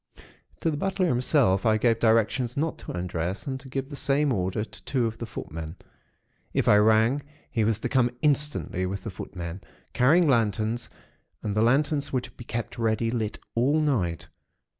To the butler himself, I gave directions not to undress and to give the same order to two of the footmen. If I rang, he was to come instantly, with the footmen, carrying lanterns; and the lanterns were to be kept ready lit all night.